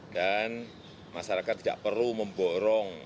dan masyarakat tidak perlu memborong